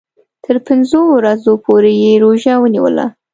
تر پنځو ورځو پوري یې روژه ونیوله.